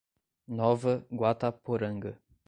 Nova Guataporanga